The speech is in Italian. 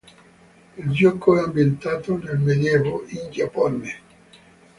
Il gioco è ambientato nel Medioevo, in Giappone.